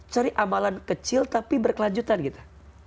cari amalan kecil tapi berkelanjutan gitu